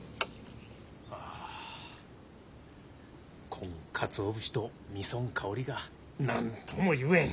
こんかつお節とみそん香りが何とも言えん。